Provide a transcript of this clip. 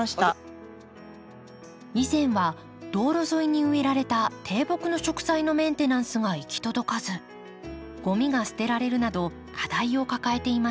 以前は道路沿いに植えられた低木の植栽のメンテナンスが行き届かずゴミが捨てられるなど課題を抱えていました。